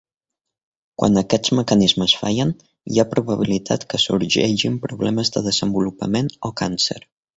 Quan aquests mecanismes fallen, hi ha probabilitat que sorgeixin problemes de desenvolupament o càncer.